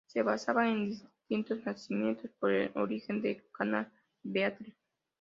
Se basaba en distintos nacimientos por el oriente del canal Beagle.